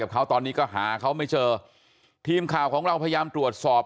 เขาตอนนี้ก็หาเขาไม่เจอทีมข่าวของเราพยายามตรวจสอบ